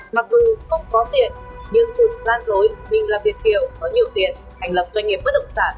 mặc dù không có tiền nhưng từng gian lối mình là việt kiều có nhiều tiền hành lập doanh nghiệp bất động sản